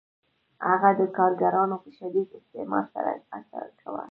هغه د کارګرانو په شدید استثمار سره هڅه کوي